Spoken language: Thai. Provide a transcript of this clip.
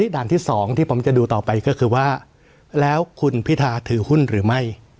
ด่านที่๒ที่ผมจะดูต่อไปก็คือว่าแล้วคุณพิธาถือหุ้นหรือไม่